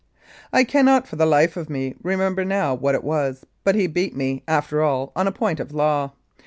" I cannot for the life of me remember now what it was, but he beat me, after all, on a point of law.